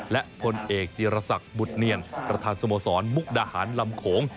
และพลเอกจีรศักดิ์บุตรเนียนประธานสโมสรมุกดาหารลำโขง